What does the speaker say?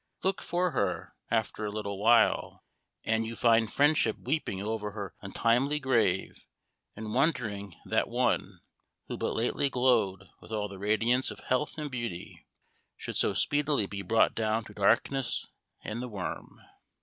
Look for her, after a little while, and you find friendship weeping over her untimely grave, and wondering that one, who but lately glowed with all the radiance of health and beauty, should so speedily be brought down to "darkness and the worm."